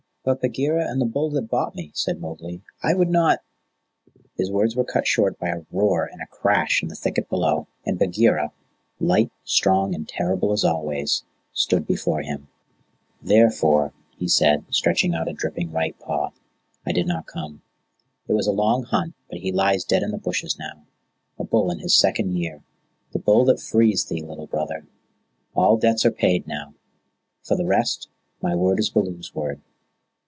"But Bagheera and the Bull that bought me," said Mowgli. "I would not " His words were cut short by a roar and a crash in the thicket below, and Bagheera, light, strong, and terrible as always, stood before him. "Therefore," he said, stretching out a dripping right paw, "I did not come. It was a long hunt, but he lies dead in the bushes now a bull in his second year the Bull that frees thee, Little Brother. All debts are paid now. For the rest, my word is Baloo's word."